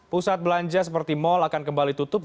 pusat belanja seperti mal akan kembali tutup